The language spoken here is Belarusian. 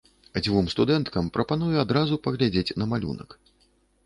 Дзвюм студэнткам прапаную адразу паглядзець на малюнак.